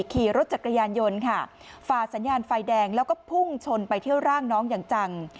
ขี่รถจักรยานยนต์ค่ะฝ่าสัญญาณไฟแดงแล้วก็พุ่งชนไปเที่ยวร่างน้องอย่างจัง